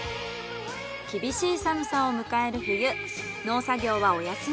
厳しい寒さを迎える冬。